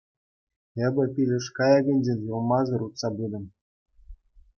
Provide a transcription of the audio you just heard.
Эпӗ пилеш кайӑкӗнчен юлмасӑр утса пытӑм.